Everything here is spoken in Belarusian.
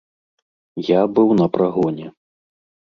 Я быў на прагоне.